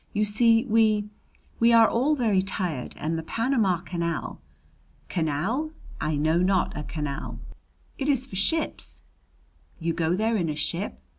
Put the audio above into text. "You see, we we are all very tired, and the Panama Canal " "Canal? I know not a canal." "It is for ships " "You go there in a ship?"